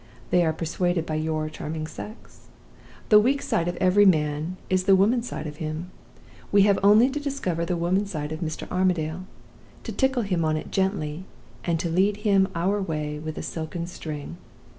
They are persuaded by your charming sex. The weak side of every man is the woman's side of him. We have only to discover the woman's side of Mr. Armadale to tickle him on it gently and to lead him our way with a silken string.